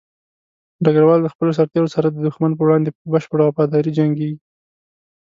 ډګروال د خپلو سرتېرو سره د دښمن په وړاندې په بشپړه وفاداري جنګيږي.